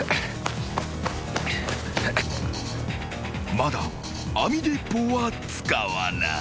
［まだ網鉄砲は使わない］